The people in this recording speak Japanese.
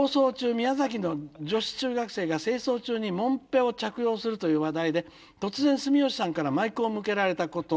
宮崎の女子中学生が清掃中にもんぺを着用するという話題で突然住吉さんからマイクを向けられたこと」。